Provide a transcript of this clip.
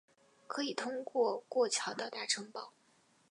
可以通过过桥到达城堡。